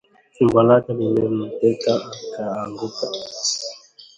Fimbo lake lilimteka akaanguka